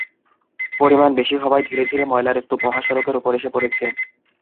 পরিমাণ বেশি হওয়ায় ধীরে ধীরে ময়লার স্তূপ মহাসড়কের ওপর এসে পড়ে।